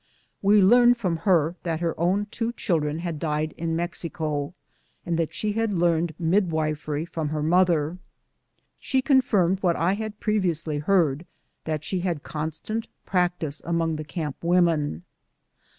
We learned from her that her own two children had died in Mexico, and that she had learned midwifery from her mother, and confirmed, what I had previously heard, that she had constant prac tice among the camp women.